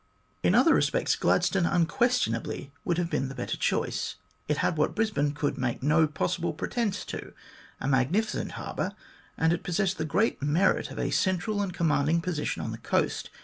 In other respects, Gladstone unquestionably would have been the better choice. It had what Brisbane could make no possible pretence to a magnificent harbour, and it possessed the great merit of a central and commanding position on the coast.